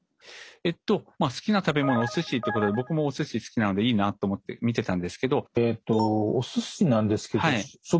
好きな食べ物お寿司っていうことで僕もお寿司好きなのでいいなと思って見てたんですけど。